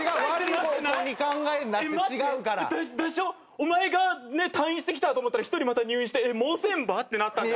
お前が退院してきたと思ったら１人また入院してえっもう千羽！？ってなったんだ。